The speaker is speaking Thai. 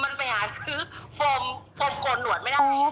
มันไปหาซื้อโฟมโกนหนวดไม่ได้